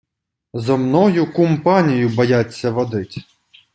Зо мною кумпанію бояться водить.